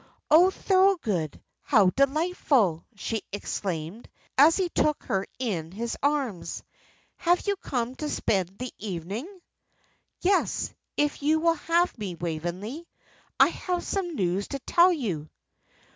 "Oh, Thorold, how delightful!" she exclaimed, as he took her in his arms. "Have you come to spend the evening?" "Yes, if you will have me, Waveney. I have some news to tell you."